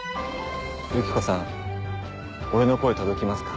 ユキコさん俺の声届きますか？